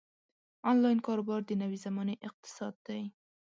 انلاین کاروبار د نوې زمانې اقتصاد دی.